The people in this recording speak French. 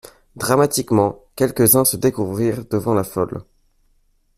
Dramatiquement, quelques-uns se découvrirent devant la folle.